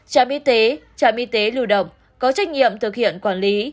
trạm y tế trạm y tế lưu động có trách nhiệm thực hiện quản lý